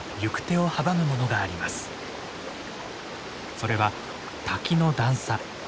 それは滝の段差。